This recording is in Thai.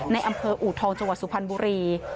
ในอำเภออูทองจังหวัดสุพรรณบุรี